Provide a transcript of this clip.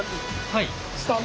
はい。